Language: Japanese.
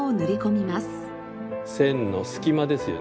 線の隙間ですよね。